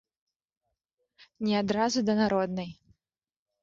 Не адразу да народнай.